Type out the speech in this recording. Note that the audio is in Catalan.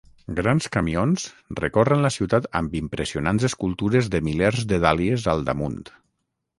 Grans camions recorren la ciutat amb impressionants escultures de milers de dàlies al damunt.